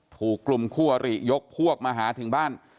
ถูกกลุ่มคู่อริยกพวกมาหาถึงบ้าน